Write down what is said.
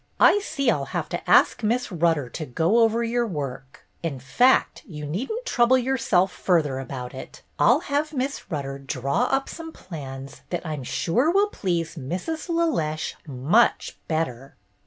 I see I 'll have to ask Miss Rutter to go over your work. In fact, you need n't trouble yourself further about it. I 'll have Miss Rutter draw up some plans that I 'm sure will please Mrs. LeLeche much better."